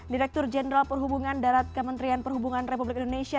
direktur jenderal perhubungan darat kementerian perhubungan republik indonesia